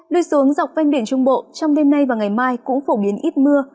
lưu xuống dọc ven biển trung bộ trong đêm nay và ngày mai cũng phổ biến ít mưa